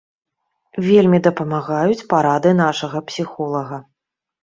Вельмі дапамагаюць парады нашага псіхолага.